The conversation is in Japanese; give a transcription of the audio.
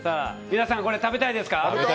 皆さん、これ食べたいですか？